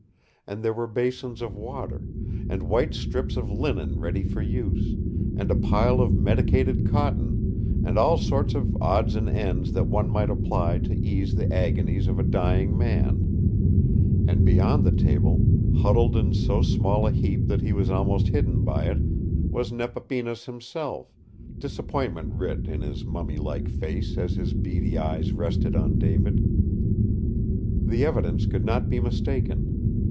And there were basins of water, and white strips of linen ready for use, and a pile of medicated cotton, and all sorts of odds and ends that one might apply to ease the agonies of a dying man, And beyond the table, huddled in so small a heap that he was almost hidden by it, was Nepapinas himself, disappointment writ in his mummy like face as his beady eyes rested on David. The evidence could not be mistaken.